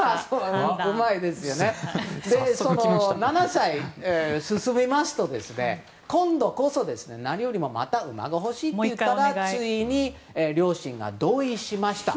７歳になりますと今度こそ、何よりもまた馬が欲しいって言ったらついに両親が同意しました。